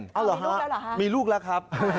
มีลูกแล้วหรอฮะมีลูกแล้วครับ